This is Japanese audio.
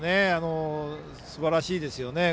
すばらしいですよね。